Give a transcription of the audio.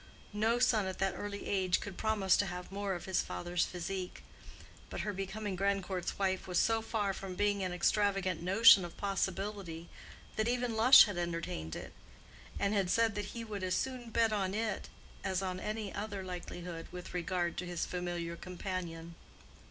No son at that early age could promise to have more of his father's physique. But her becoming Grandcourt's wife was so far from being an extravagant notion of possibility, that even Lush had entertained it, and had said that he would as soon bet on it as on any other likelihood with regard to his familiar companion.